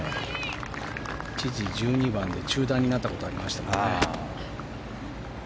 一時、１２番で中断になったことありましたね。